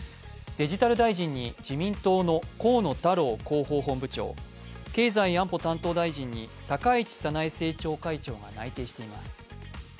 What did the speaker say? デジタル大臣に自民党の河野太郎広報本部長、経済安保担当大臣に高市早苗政調会長が内定しています。